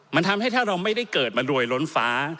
มันทำให้ถ้าเราไม่ได้เกิดมารวยล้นฟ้า